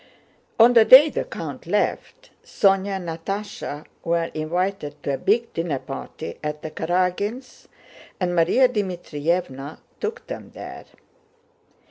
On the day the count left, Sónya and Natásha were invited to a big dinner party at the Karágins', and Márya Dmítrievna took them there.